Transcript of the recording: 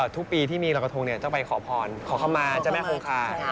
ทุกปีที่มีรอยกระทงเนี่ยจะไปขอพรขอเขามาจะแม่โครคา